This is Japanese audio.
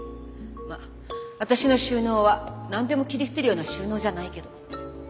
まあ私の収納はなんでも切り捨てるような収納じゃないけど。